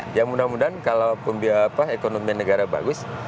ya mudah mudahan kalau ekonomi negara bagus